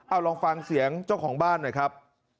เอาลองฟังเสียงเจ้าของบ้านหน่อยครับ